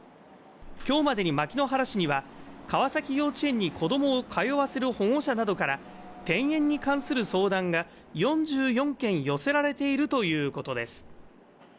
今日までに牧之原市には川崎幼稚園に子どもを通わせる保護者などから転園に関する相談が４４件寄せられているということです